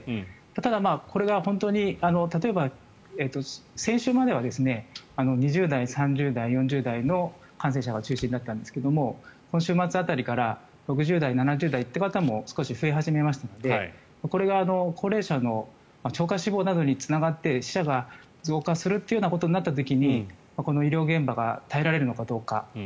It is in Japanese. ただ、これが本当に例えば先週までは２０代、３０代、４０代の感染者が中心だったんですがこの週末辺りから６０代、７０代という方も少し増え始めましたのでこれが高齢者の超過死亡などにつながって死者が増加するってことになった時に医療現場が耐えられるのかどうか。